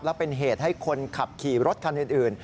และเป็นเหตุให้คนขับขี่รถคันอื่น